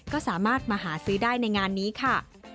ก็สามารถมาหาซื้อได้ในงานนี้ค่ะ